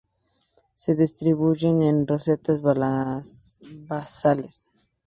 Se distribuyen en rosetas basales.